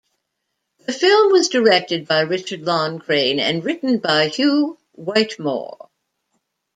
The film was directed by Richard Loncraine and written by Hugh Whitemore.